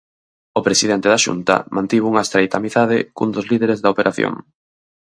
O presidente da Xunta mantivo unha estreita amizade cun dos líderes da operación.